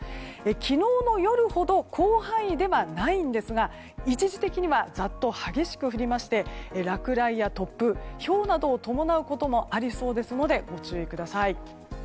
昨日の夜ほど広範囲ではないんですが一時的にはざっと激しく降りまして落雷や突風、ひょうなどを伴うこともありそうですのでご注意ください。